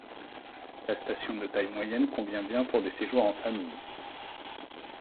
La station de taille moyenne convient bien pour des séjours en famille.